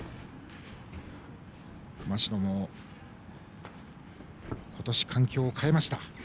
熊代も今年、環境を変えました。